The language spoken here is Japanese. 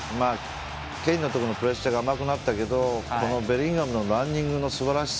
ケインのところのプレッシャーが甘くなったけど、ベリンガムのランニングのすばらしさ。